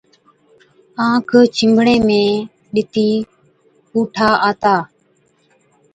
آنک ڇِنڀڻي ۾ ڏِتِي پُوٺا آتا۔